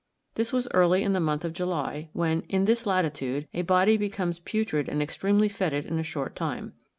This was early in the month of July, when, in this latitude, a body becomes putrid and extremely fetid in a short time.